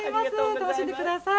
楽しんでください。